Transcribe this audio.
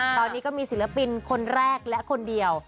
ตอนนี้ก็มีศิลปินคนแรกและคนเดียว